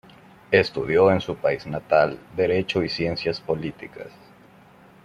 Estudió en su país natal Derecho y Ciencias Políticas.